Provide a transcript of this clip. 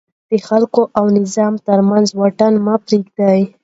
د خلکو او نظام ترمنځ واټن مه پرېږدئ.